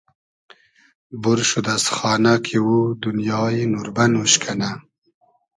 بور شود از خانۂ کی او دونیای نوربئن اوش کئنۂ